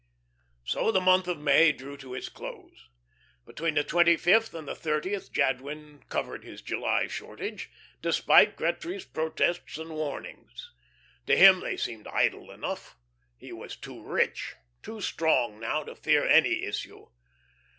So the month of May drew to its close. Between the twenty fifth and the thirtieth Jadwin covered his July shortage, despite Gretry's protests and warnings. To him they seemed idle enough. He was too rich, too strong now to fear any issue.